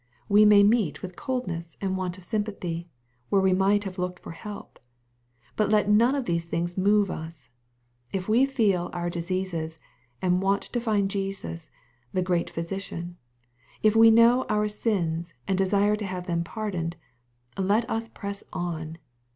We may meet with cold ness and want of sympathy, where we might have looked for help. But let none of these things move us. If we feel our diseases, and want to find Jesus, the great Physician — if we know our sins, and desire to have them pardoned — ^let us press on.